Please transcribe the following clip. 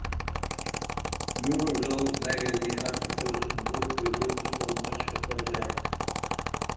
Moore wrote magazine articles and book reviews for much of her life.